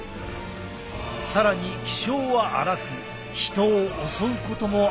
更に気性は荒く人を襲うこともあるという。